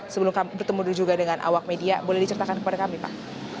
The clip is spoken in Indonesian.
sebelum bertemu juga dengan awak media boleh diceritakan kepada kami pak